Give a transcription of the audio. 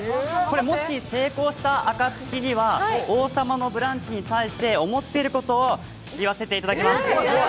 もし成功したあかつきには「王様のブランチ」に対して思っていることを言わせていただきます。